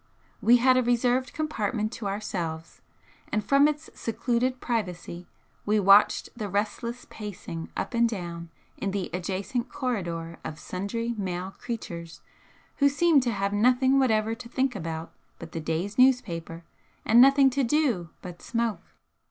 We had a reserved compartment to ourselves, and from its secluded privacy we watched the restless pacing up and down in the adjacent corridor of sundry male creatures who seemed to have nothing whatever to think about but the day's newspaper, and nothing to do but smoke.